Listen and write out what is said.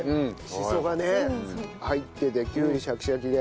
しそがね入っててきゅうりシャキシャキで。